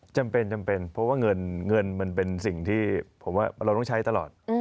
จำเป็นจำเป็นเพราะว่าเงินมันเป็นสิ่งที่ผมว่าเราต้องใช้ตลอด